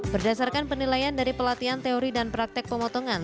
berdasarkan penilaian dari pelatihan teori dan praktek pemotongan